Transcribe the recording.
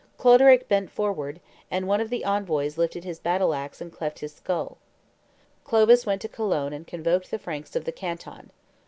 Cloderic bent forward, and one of the envoys lifted his battle axe and cleft his skull. Clovis went to Cologne and convoked the Franks of the canton.